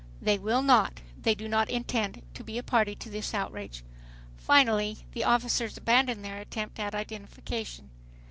They will not. They do not intend to be a party to this outrage. Finally the officers abandon their attempt at identification.